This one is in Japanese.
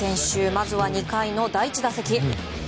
まず２回の第１打席。